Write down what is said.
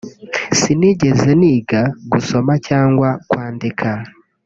sinigeze niga gusoma cyangwa kwandika